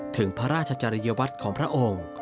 ถึงพระราชจริยวัตรของพระองค์